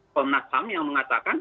komnas ham yang mengatakan